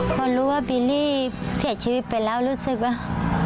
พอรู้ว่าบิลลี่เสียชีวิตไปแล้วรู้สึกว่า